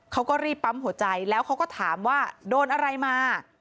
เขาก็รีบปั๊มหัวใจแล้วเขาก็ถามว่าโดนอะไรมา